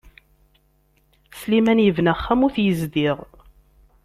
Sliman yebna axxam ur t-yezdiɣ.